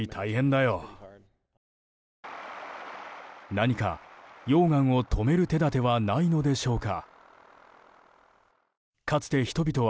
何か溶岩を止める手立てはないのでしょうか。